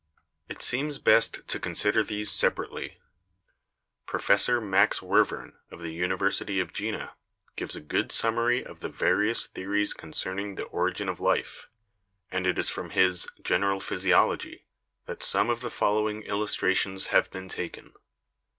It seems best to consider these separately. Professor Max Verworn, of the University of Jena, gives a good summary of the various theories concerning the origin of life, and it is from his 'General Physiology' that some of the following illustra tions have been taken.